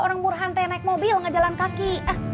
orang burhan teh naik mobil gak jalan kaki